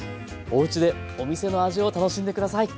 おうちでお店の味を楽しんで下さい！